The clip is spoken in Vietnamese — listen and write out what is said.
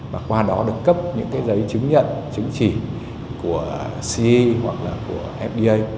và qua đó được cấp những cái giấy chứng nhận chứng chỉ của ce hoặc là của fda